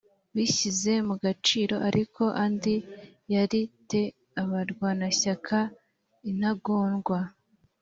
bishyize mu gaciro ariko andi yari te abarwanashyaka intagondwa